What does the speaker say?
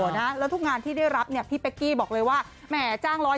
แล้วทุกงานที่ได้รับเนี่ยพี่เป๊กกี้บอกเลยว่าแหมจ้าง๑๐